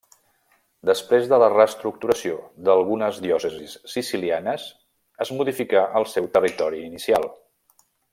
Després de la reestructuració d'algunes diòcesis sicilianes, es modificà el seu territori inicial.